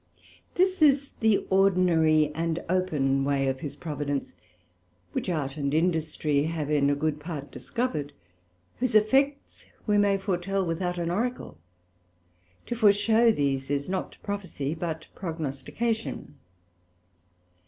17 This is the ordinary and open way of his providence, which Art and Industry have in a good part discovered, whose effects we may foretel without an Oracle: to foreshew these, is not Prophesie, but Prognostication.